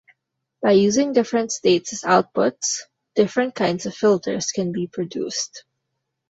By using different states as outputs, different kinds of filters can be produced.